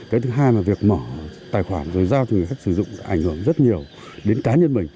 cái thứ hai là việc mở tài khoản rồi giao cho người khách sử dụng ảnh hưởng rất nhiều đến cá nhân mình